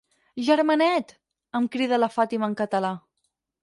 Germanet! —em crida la Fàtima en català.